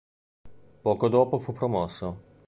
Poco dopo fu promosso.